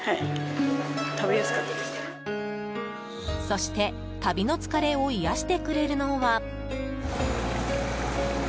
そして、旅の疲れを癒やしてくれるのは。